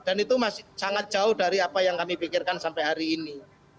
dan itu masih sangat jauh dari apa yang kami pikirkan sampai hari ini